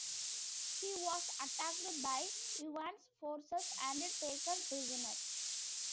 He was attacked by Ivan's forces and taken prisoner.